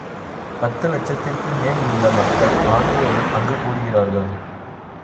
பத்து லட்சத்திற்கு மேல் உள்ள மக்கள் ஆண்டு தோறும் அங்கு கூடுகிறார்கள்.